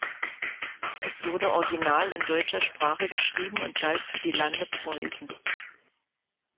Es wurde original in deutscher Sprache geschrieben und galt für die Lande Preußen.